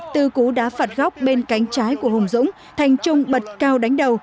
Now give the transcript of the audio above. từ cú đá phạt góc bên cánh trái của hùng dũng thành trung bật cao đánh đầu